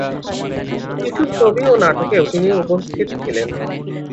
কিছু ছবি ও নাটকেও তিনি উপস্থিত ছিলেন।